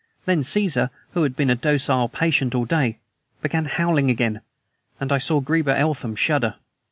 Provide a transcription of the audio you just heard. Then Caesar, who had been a docile patient all day, began howling again; and I saw Greba Eltham shudder.